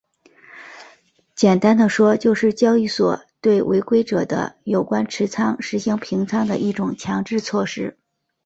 简单地说就是交易所对违规者的有关持仓实行平仓的一种强制措施。